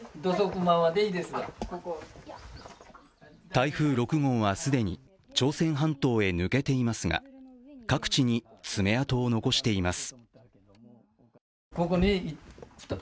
台風６号は既に朝鮮半島へ抜けていますが各地に爪痕を残しています。